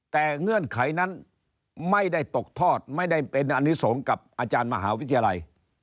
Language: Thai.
แต่เงื่อนไขนั้นไม่ได้ตกทอดไม่ได้เป็นอนิสงฆ์กับอาจารย์มหาวิทยาลัย